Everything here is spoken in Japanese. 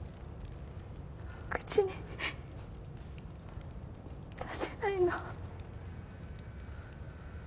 口に出せないの。